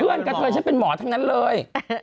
เพื่อนกับเธอย่างฉันเป็นหมอทั้งนั้นเลย